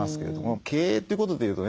経営ってことで言うとね